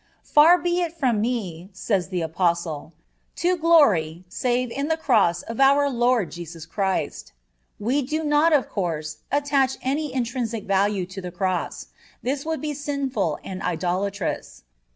"Far be it from me," says the Apostle, "to glory save in the cross of our Lord Jesus Christ."(11) We do not, of course, attach any intrinsic virtue to the Cross; this would be sinful and idolatrous.